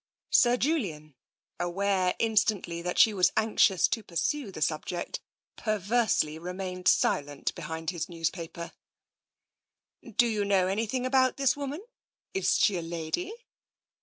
Sir Julian, aware instantly that she was anxious to pursue the subject, perversely remained silent behind the newspaper. "Do you know anything about this woman? Is she a lady